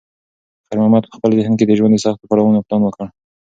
خیر محمد په خپل ذهن کې د ژوند د سختو پړاوونو پلان وکړ.